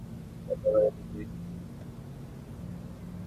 তাঁরা ঘরের বাইরের দিকে অবস্থিত রান্নাঘরের ভেতরে কৃষ্ণার ঝুলন্ত দেহ দেখতে পান।